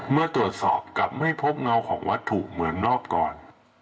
เมื่อตรวจสอบกลับไม่พบเงาของวัตถุเหมือนรอบก่อน